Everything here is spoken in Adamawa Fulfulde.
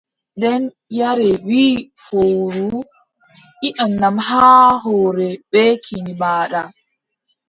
Nden yaare wii fowru: iʼanam haa hoore bee kine maaɗa.